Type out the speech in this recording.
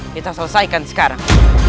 kita selesaikan sekarang